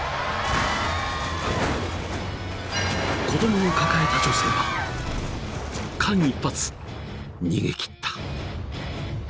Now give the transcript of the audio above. ［子供を抱えた女性は間一髪逃げ切った］